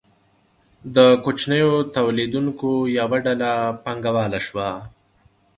د کوچنیو تولیدونکو یوه ډله پانګواله شوه.